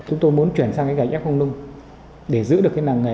chúng tôi muốn chuyển sang gạch f lung để giữ được làng nghề